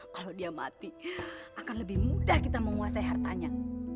kalau dia mati akan lebih mudah kita menguasai hartanya